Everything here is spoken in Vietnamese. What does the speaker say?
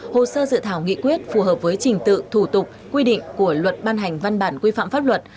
hồ sơ dự thảo nghị quyết phù hợp với trình tự thủ tục quy định của luật ban hành văn bản quy phạm pháp luật